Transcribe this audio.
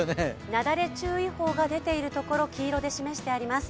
雪崩注意報が出ているところを黄色で示してあります。